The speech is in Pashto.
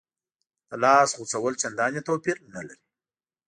د لاس غوڅول چندانې توپیر نه لري.